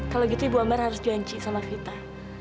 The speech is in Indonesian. kalau gitu ibu ambar harus janji sama vita